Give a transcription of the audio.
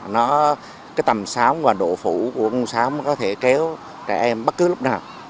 nó cái tầm sám và độ phủ của con sám có thể kéo trẻ em bất cứ lúc nào